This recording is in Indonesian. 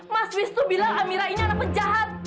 mas wistu bilang amira ini anak penjahat